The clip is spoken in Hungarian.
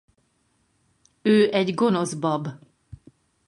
Ő egy gonosz bab.